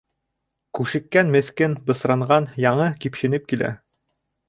Күшеккән, меҫкен, бысранған, яңы кипшенеп килә.